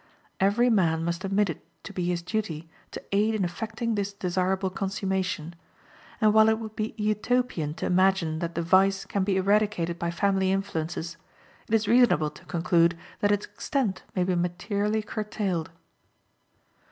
Every man must admit it to be his duty to aid in effecting this desirable consummation; and while it would be Utopian to imagine that the vice can be eradicated by family influences, it is reasonable to conclude that its extent may be materially curtailed.